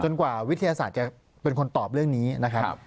กว่าวิทยาศาสตร์จะเป็นคนตอบเรื่องนี้นะครับ